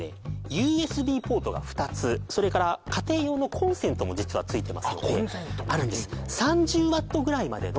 ＵＳＢポートが２つそれから家庭用のコンセントも実はついてますのでコンセントもできんの！？